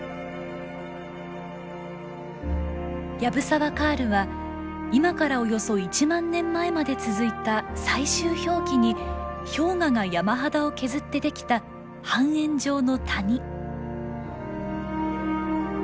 藪沢カールは今からおよそ１万年前まで続いた最終氷期に氷河が山肌を削ってできた半円状の谷。